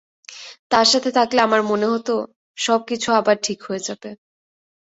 তার সাথে থাকলে আমার মনে হত, সবকিছু আবার ঠিক হয়ে যাবে।